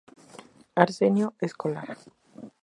Arsenio Escolar.